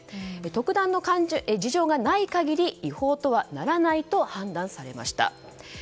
特段の事情がない限り違法とはならないと判断されました。